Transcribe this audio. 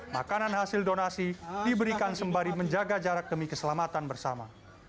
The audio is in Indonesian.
makanan hasil donasi diberikan sembari menjaga jarak demi keselamatan bersama